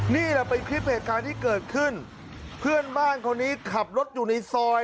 นี่แหละเป็นคลิปเหตุการณ์ที่เกิดขึ้นเพื่อนบ้านคนนี้ขับรถอยู่ในซอย